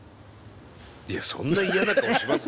いやそんな嫌な顔します？